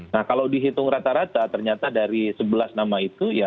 nah kalau dihitung rata rata ternyata dari sebelas nama itu ya